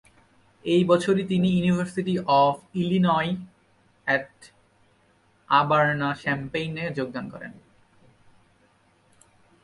ওই বছরই তিনি University of Illinois at Urbana Champaign এ যোগদান করেন।